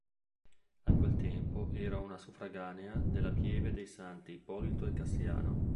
A quel tempo era una suffraganea della pieve dei Santi Ippolito e Cassiano.